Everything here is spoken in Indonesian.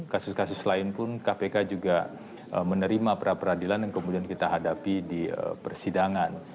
kasus kasus lain pun kpk juga menerima pra peradilan yang kemudian kita hadapi di persidangan